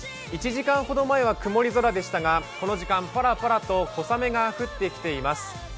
１時間ほど前は曇り空でしたがこの時間、パラパラと小雨が降ってきています。